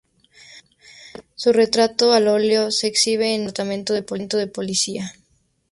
Su retrato al óleo se exhibe en el Departamento de Policía.